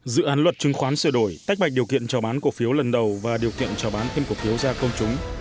dự án luật chứng khoán sửa đổi tách bạch điều kiện trào bán cổ phiếu lần đầu và điều kiện trào bán thêm cổ phiếu ra công chúng